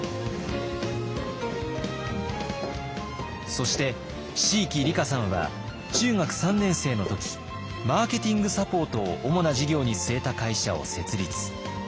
そして椎木里佳さんは中学３年生の時マーケティングサポートを主な事業に据えた会社を設立。